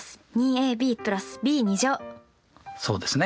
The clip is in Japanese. そうですね。